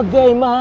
jahgat dewa batara